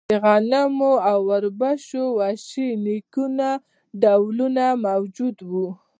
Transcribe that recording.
د غنمو او اوربشو د وحشي نیکونو ډولونه موجود وو.